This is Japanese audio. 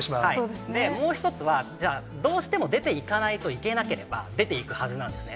で、もう１つは、じゃあ、どうしても出ていかないといけなければ、出ていくはずなんですね。